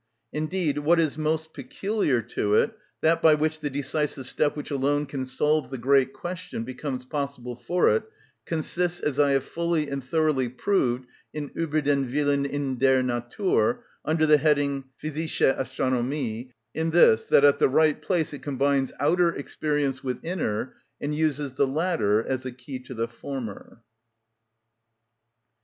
Indeed, what is most peculiar to it, that by which the decisive step which alone can solve the great question becomes possible for it, consists, as I have fully and thoroughly proved in "Ueber den Willen in der Natur," under the heading, "Physische Astronomie," in this, that at the right place it combines outer experience with inner, and uses the latter as a key to the former.